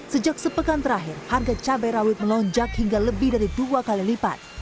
sejak sepekan terakhir harga cabai rawit melonjak hingga lebih dari dua kali lipat